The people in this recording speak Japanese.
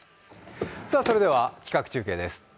それでは企画中継です。